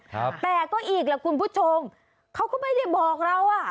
ครับแต่ก็อีกแหละคุณผู้ชมเขาก็ไม่ได้บอกเราอ่ะ